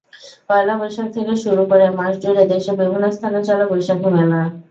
পয়লা বৈশাখ থেকে শুরু করে মাসজুড়ে দেশের বিভিন্ন স্থানে চলে বৈশাখী মেলা।